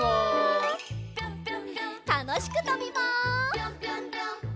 たのしくとびます。